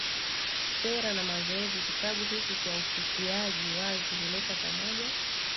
Sera na Mazoezi Kitabu hiki cha ufikiaji wazi huleta pamoja